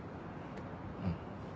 うん。